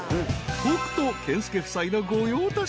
［北斗健介夫妻の御用達。